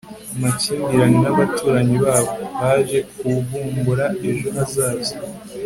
amakimbirane n'abaturanyi babo. baje kuvumbura ejo hazaza